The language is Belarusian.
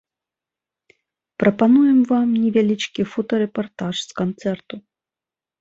Прапануем вам невялічкі фотарэпартаж з канцэрту.